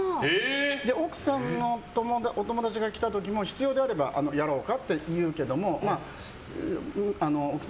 奥さんのお友達が来た時も必要であればやろうか？